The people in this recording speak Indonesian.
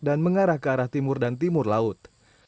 dan mengarah ke arah timur dan timur laut